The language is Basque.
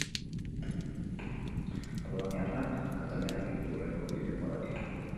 Poloniarrak kataluniarrekin jokatuko ditu hurrengo bi denboraldiak.